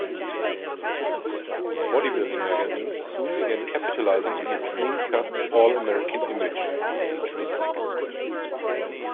Bodybuilding magazines soon began capitalizing on his clean-cut, all-American image.